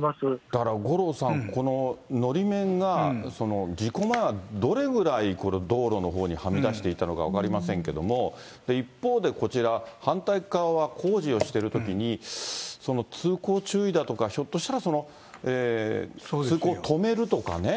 だから五郎さん、こののり面が事故前はどれぐらい道路のほうにはみ出していたのか分かりませんけれども、一方でこちら、反対っ側は工事をしているときに、通行注意だとか、ひょっとしたら、通行を止めるとかね。